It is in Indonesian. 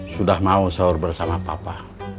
sudah mau sahur bersama papa